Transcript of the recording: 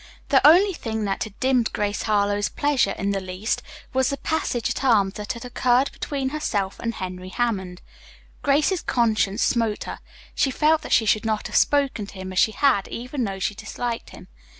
The only thing that had dimmed Grace Harlowe's pleasure in the least was the passage at arms that had occurred between herself and Henry Hammond. Grace's conscience smote her. She felt that she should not have spoken to him as she had, even though she disliked him.